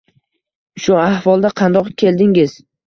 Shu ahvolda qandoq keldingiz?